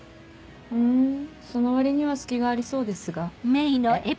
ふんその割には隙がありそうですが？